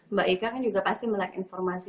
mbak ika kan juga pasti melihat informasi